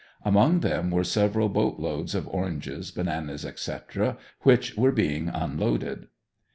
Among them were several boat loads of oranges, bananas, etc., which were being unloaded.